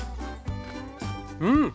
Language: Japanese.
うん！